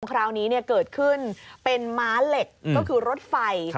คราวนี้เกิดขึ้นเป็นม้าเหล็กก็คือรถไฟ